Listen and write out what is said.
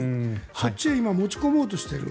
そっちへ今持ち込もうとしている。